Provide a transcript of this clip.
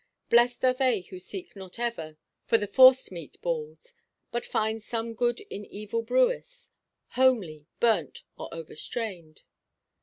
Blest are they who seek not ever for the forced–meat balls, but find some good in every brewis, homely, burnt, or overstrained.